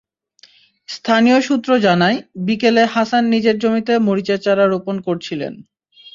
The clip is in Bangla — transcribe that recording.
স্থানীয় সূত্র জানায়, বিকেলে হাসান নিজের জমিতে মরিচের চারা রোপণ করছিলেন।